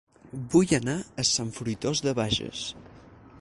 Vull anar a Sant Fruitós de Bages